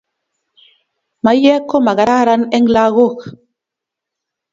Maiyek ko makararan en lakok